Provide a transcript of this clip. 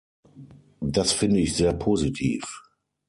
Das finde ich sehr positiv.